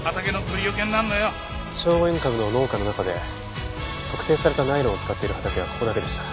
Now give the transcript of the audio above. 聖護院かぶの農家の中で特定されたナイロンを使っている畑はここだけでした。